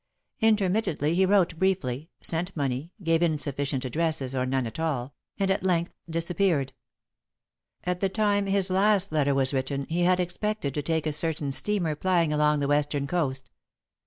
Intermittently he wrote briefly, sent money, gave insufficient addresses, or none at all, and, at length, disappeared. At the time his last letter was written, he had expected to take a certain steamer plying along the Western coast.